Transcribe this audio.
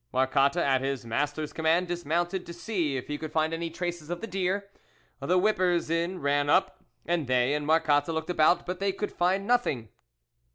Marcotte, at his master's command, dismounted to see if he could find any traces of the deer, the whip pers in ran up, and they and Marcotte looked about, but they could find nothing.